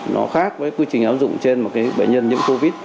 nó khác với quy trình áp dụng trên một cái bệnh nhân nhiễm covid